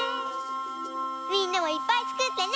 みんなもいっぱいつくってね！